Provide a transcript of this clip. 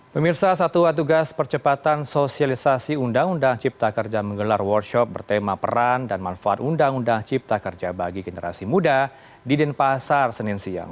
pemirsa satuan tugas percepatan sosialisasi undang undang cipta kerja menggelar workshop bertema peran dan manfaat undang undang cipta kerja bagi generasi muda di denpasar senin siang